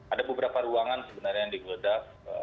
ada beberapa ruangan sebenarnya yang digeledah